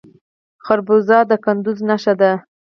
خربوزه د کندز نښه ده.